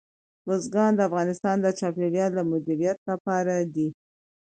بزګان د افغانستان د چاپیریال د مدیریت لپاره دي.